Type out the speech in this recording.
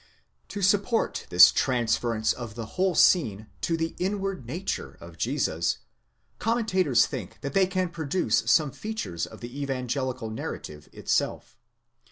To support this transference of the whole scene to the inward nature of Jesus, commentators think that they can produce some features of the evan gelical narrative itself.